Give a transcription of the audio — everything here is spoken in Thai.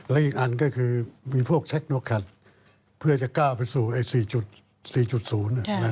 และอีกอันก็คือมีพวกแท็กยกคันเพื่อจะก้าวไปสู่๔๐